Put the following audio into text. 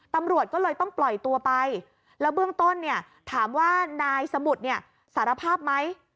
ตำรวจก็เลยต้องปล่อยตัวไปแล้วเบื้องต้นเนี่ยถามว่านายสมุทรเนี่ยสารภาพไหม